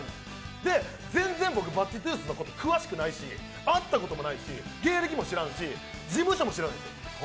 で、全然、僕、バッチトゥースのこと詳しくないし、会ったこともないし芸歴も知らんし、事務所も知らんですよ。